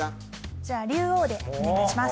じゃあ「竜王」でお願いします